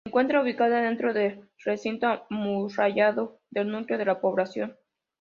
Se encuentra ubicada dentro del recinto amurallado del núcleo de la población.